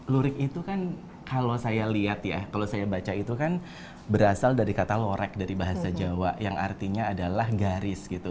lurik itu kan kalau saya lihat ya kalau saya baca itu kan berasal dari kata lorek dari bahasa jawa yang artinya adalah garis gitu